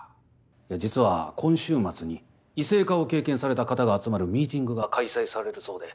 実は今週末に異性化を経験された方が集まるミーティングが開催されるそうで。